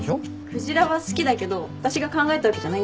鯨は好きだけど私が考えたわけじゃないんだよね。